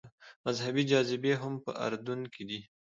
مذهبي جاذبې هم په اردن کې دي.